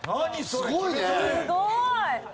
すごいね！